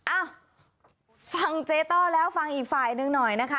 อ้าวฟังเจ๊ต้อแล้วฟังอีกฝ่ายหนึ่งหน่อยนะคะ